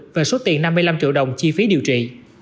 về số tiền năm mươi năm triệu đồng chi phí điều trị